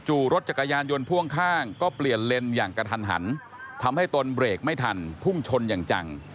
รถจักรยานยนต์พ่วงข้างก็เปลี่ยนเลนส์อย่างกระทันหันทำให้ตนเบรกไม่ทันพุ่งชนอย่างจัง